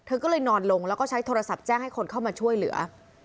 ก็เลยนอนลงแล้วก็ใช้โทรศัพท์แจ้งให้คนเข้ามาช่วยเหลือ